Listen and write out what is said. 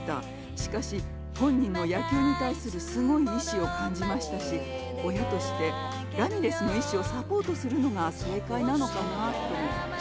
しかし、本人の野球に対するすごい意志を感じましたし、親としてラミレスの意志をサポートするのが正解なのかなと。